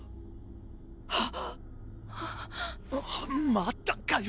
またかよ！